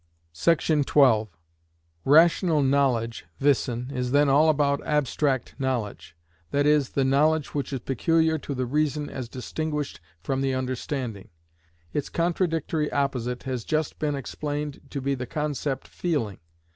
§ 12. Rational knowledge (wissen) is then all abstract knowledge,—that is, the knowledge which is peculiar to the reason as distinguished from the understanding. Its contradictory opposite has just been explained to be the concept "feeling."